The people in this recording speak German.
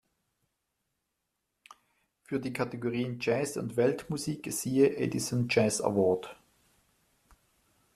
Für die Kategorien Jazz und Weltmusik siehe Edison Jazz Award.